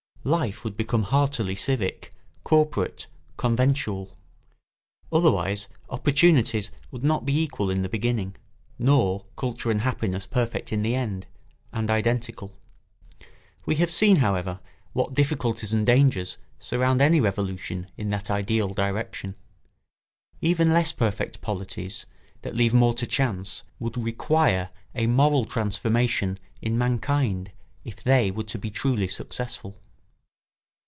Life would become heartily civic, corporate, conventual; otherwise opportunities would not be equal in the beginning, nor culture and happiness perfect in the end, and identical. We have seen, however, what difficulties and dangers surround any revolution in that ideal direction. Even less perfect polities, that leave more to chance, would require a moral transformation in mankind if they were to be truly successful.